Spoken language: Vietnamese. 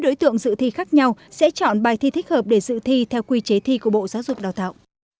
dự thi khác nhau sẽ chọn bài thi thích hợp để dự thi theo quy chế thi của bộ giáo dục đào tạo